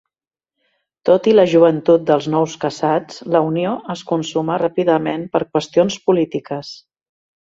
Tot i la joventut dels nous casats, la unió es consumà ràpidament per qüestions polítiques.